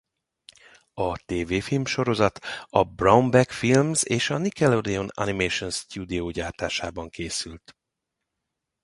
A tévéfilmsorozat a Brown Bag Films és a Nickelodeon Animation Studio gyártásában készült.